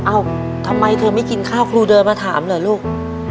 เอ้าทำไมเธอไม่กินข้าวครูเดินมาถามเหรอลูก